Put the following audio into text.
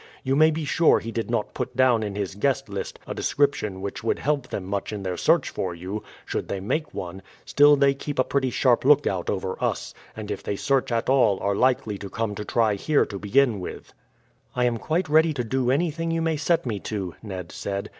You may be sure he did not put down in his guest list a description which would help them much in their search for you, should they make one, still they keep a pretty sharp lookout over us, and if they search at all are likely to come to try here to begin with." "I am quite ready to do anything you may set me to," Ned said.